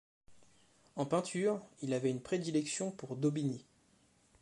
En peinture, il avait une prédilection pour Daubigny.